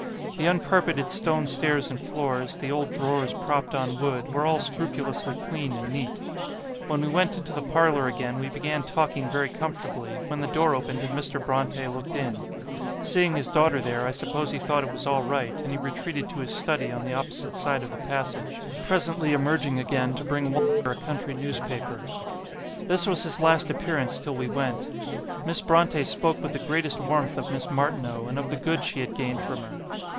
The uncarpeted stone stairs and floors, the old drawers propped on wood, were all scrupulously clean and neat. When we went into the parlour again, we began talking very comfortably, when the door opened and Mr. Brontë looked in; seeing his daughter there, I suppose he thought it was all right, and he retreated to his study on the opposite side of the passage; presently emerging again to bring W a country newspaper. This was his last appearance till we went. Miss Brontë spoke with the greatest warmth of Miss Martineau, and of the good she had gained from her.